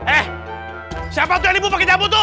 eh siapa itu yang ibu pakai jambu tuh